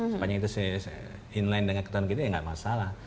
sepanjang itu saya inline dengan ketentuan kita ya nggak masalah